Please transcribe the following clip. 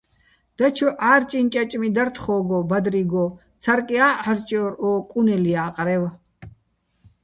დაჩო ჺარჭიჼ ჭაჭმი დარ თხო́გო, ბადრიგო, ცარკია ჺარჭჲო́რ ო კუნელ ჲა́ყრევ.